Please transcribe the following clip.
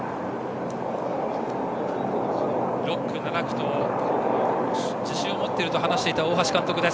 ６区、７区と自信を持っていると話をしていた大橋監督です。